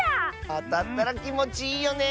あたったらきもちいいよね！